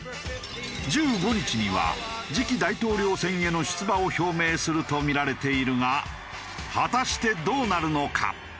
１５日には次期大統領選への出馬を表明するとみられているが果たしてどうなるのか？